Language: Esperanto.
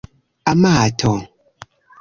amato